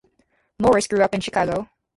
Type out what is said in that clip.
Morris grew up in Chicago.